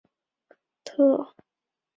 特拉西莱蒙。